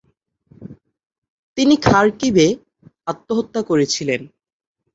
তিনি খারকিভে আত্মহত্যা করেছিলেন।